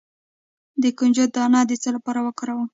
د کنجد دانه د څه لپاره وکاروم؟